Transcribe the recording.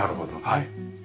はい。